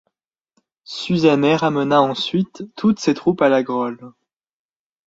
Suzannet ramena ensuite toutes ses troupes à la Grolle.